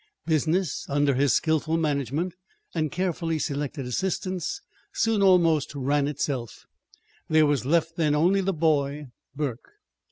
Business, under his skillful management and carefully selected assistants, soon almost ran itself. There was left then only the boy, Burke.